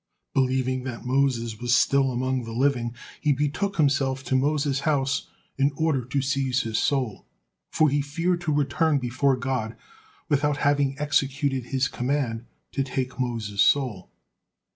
Believing that Moses was still among the living, he betook himself to Moses' house in order to seize his soul, for he feared to return before God without having executed His command to take Moses' soul.